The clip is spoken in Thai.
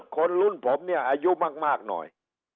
คนรุ่นผมเนี่ยอายุมากหน่อย